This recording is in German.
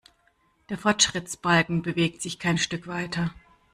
Der Fortschrittsbalken bewegt sich kein Stück weiter.